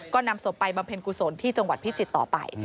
ก็นำศพไปบำเพ็ญกุศลที่จังหวัดพิจิตรต่อไป